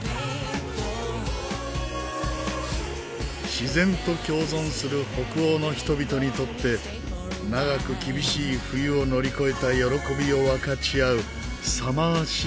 自然と共存する北欧の人々にとって長く厳しい冬を乗り越えた喜びを分かち合うサマーシーズン。